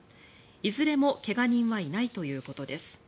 いずれも怪我人はいないということです。